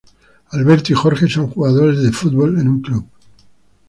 Alberto y Jorge son jugadores de fútbol en un club.